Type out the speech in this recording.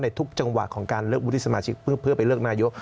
ทุกจังหวะของการเลือกวุฒิสมาชิกเพื่อไปเลือกนายก